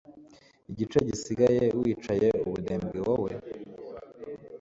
igihe gisigaye wicaye ubunebwe, wowe